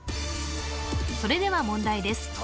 それでは問題です